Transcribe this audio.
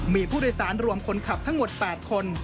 มีผู้โดยสารรวมคนขับทั้งหมด๘คน